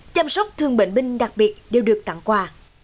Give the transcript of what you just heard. chăm sóc thương bệnh binh đặc biệt đều được tặng quà